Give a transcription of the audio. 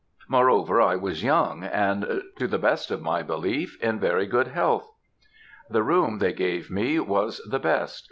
Moreover, I was young; and, to the best of my belief, in very good health. "The room they gave me was the best.